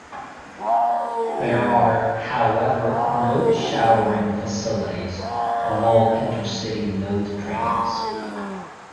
There are, however, no showering facilities on all Intercity Notte trains.